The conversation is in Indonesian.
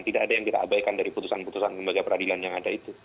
tidak ada yang kita abaikan dari putusan putusan lembaga peradilan yang ada itu